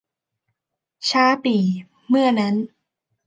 ช้าปี่ เมื่อนั้น